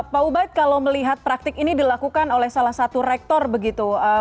pak ubaid kalau melihat praktik ini dilakukan oleh salah satu rektor begitu